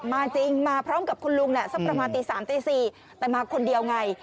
มาจริงมาพร้อมกับคุณลุงแหละสักประมาณตี๓ตี๔แต่มาคนเดียวไง